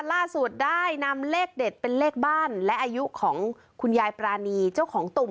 ล่าสุดได้นำเลขเด็ดเป็นเลขบ้านและอายุของคุณยายปรานีเจ้าของตุ่ม